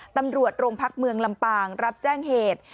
ตำรวจโรงพักเมืองลำปางรับแจ้งเหตุ